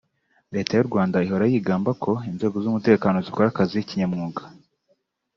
Leta y’ u Rwanda ihora yigamba ko inzego z’ Umutekano zikora akazi kinyamwuga